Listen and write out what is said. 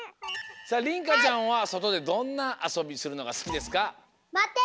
りんかちゃんはそとでどんなあそびするのがすきですか？